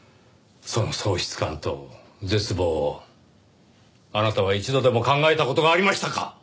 その喪失感と絶望をあなたは一度でも考えた事がありましたか？